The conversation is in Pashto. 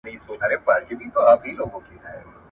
د ښوونځیو په شاوخوا کي د ترافیکي نښو شتون نه و.